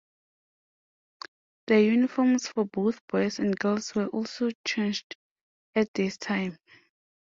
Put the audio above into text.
The uniforms for both boys and girls were also changed at this time.